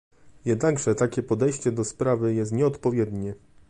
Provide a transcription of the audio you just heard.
Jednakże takie podejście do sprawy jest nieodpowiednie